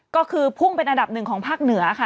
ก็คือพุ่งเป็นอันดับหนึ่งของภาคเหนือค่ะ